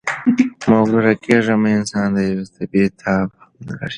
مغروره کېږئ مه، انسان د یوې تبې تاب هم نلري.